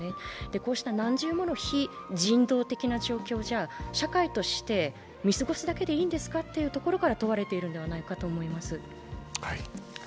こうした何重もの非人道的な状況は社会として見過ごすことがいいのか問われているのではないかと思います。